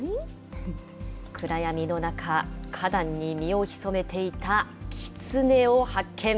暗闇の中、花壇に身を潜めていたキツネを発見。